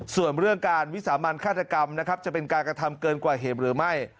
ส่วนเรื่องการวิสามันฆาตกรรมนะครับจะเป็นการกระทำเกินกว่าเหตุหรือไม่